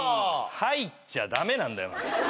入っちゃダメなんだよ。